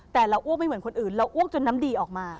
แต่เราอ้วกไม่เหมือนคนอื่นเราอ้วกจนน้ำดีออกมา